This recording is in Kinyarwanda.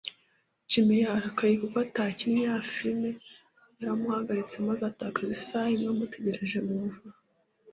Jim yararakaye kuko itariki yakinnye ya firime yaramuhagaritse maze atakaza isaha imwe amutegereje mu mvura